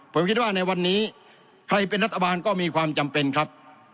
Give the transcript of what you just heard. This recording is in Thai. ผมคิดว่าในวันนี้ใครเป็นรัฐบาลก็มีความจำเป็นครับ